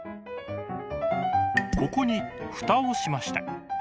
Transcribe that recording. ここにフタをしました。